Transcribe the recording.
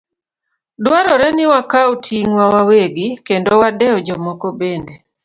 Dwarore ni wakaw ting'wa wawegi, kendo wadew jomoko bende.